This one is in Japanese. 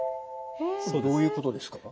どういうことですか？